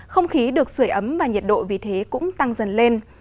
không khí được sửa ấm và nhiệt độ vì thế cũng tăng dần lên